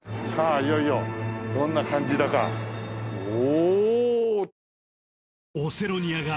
いよいよどんな感じだかおお！